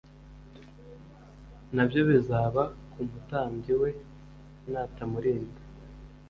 na byo bizaba ku mutambyi we natamurinda